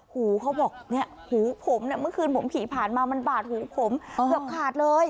หูเขาบอกเนี่ยหูผมเนี่ยเมื่อคืนผมขี่ผ่านมามันบาดหูผมเกือบขาดเลย